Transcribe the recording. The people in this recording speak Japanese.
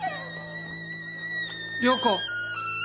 良子！